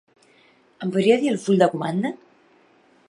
Em podria dir el full de comanda?